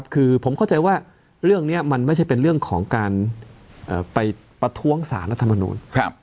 คือผมเข้าใจว่าเรื่องนี้มันไม่ใช่เป็นเรื่องของการไปประท้วงสารรัฐมนูล